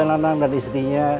juga nanam dan istrinya